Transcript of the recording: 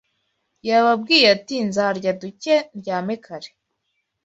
Yababwiye ati nzarya duke ndyame kare